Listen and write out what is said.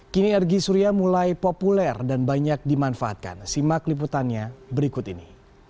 kini energi surya mulai populer dan banyak dimanfaatkan simak liputannya berikut ini